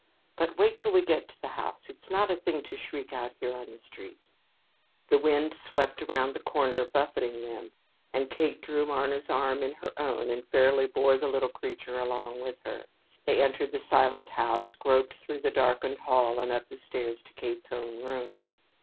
But wait till we get to the house. It's not a thing to shriek out here on the street." The wind swept around the corner, buffeting them, and Kate drew Marna's arm in her own and fairly bore the little creature along with her. They entered the silent house, groped through the darkened hall and up the stairs to Kate's own room.